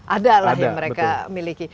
ada lah yang mereka miliki